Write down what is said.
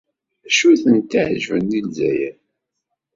D acu ay ten-iɛejben deg Lezzayer?